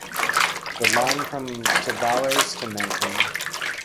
The line from Tavares to Mt.